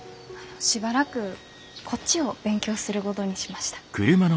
しばらくこっちを勉強するごどにしました。